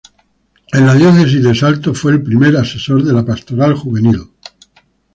En la Diócesis de Salto fue el primer asesor de la pastoral juvenil.